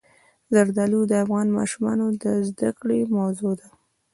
زردالو د افغان ماشومانو د زده کړې موضوع ده.